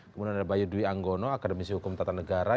kemudian ada bayudwi anggono akademisi pembangunan